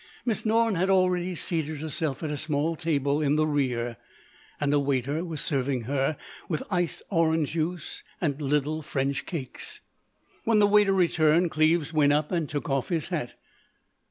Miss Norne had already seated herself at a small table in the rear, and a waiter was serving her with iced orange juice and little French cakes. When the waiter returned Cleves went up and took off his hat.